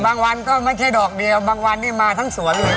บางวันก็ไม่ใช่ดอกเดียวบางวันนี้มาทั้งสวนเลย